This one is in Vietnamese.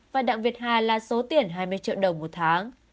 và đặng việt hà là số tiền hai mươi triệu đồng một tháng